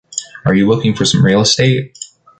Are you looking for some real estate.